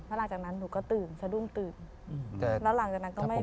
แล้วหลังจากนั้นหนูก็ตื่นสะดุ้งตื่นแล้วหลังจากนั้นก็ไม่